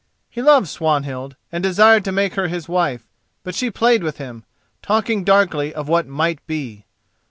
He loved Swanhild, and desired to make her his wife; but she played with him, talking darkly of what might be.